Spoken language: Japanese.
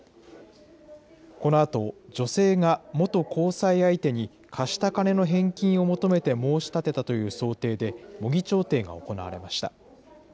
このあと、女性が元交際相手に貸した金の返金を求めて申し立てたという想定で、模擬調停が行われました。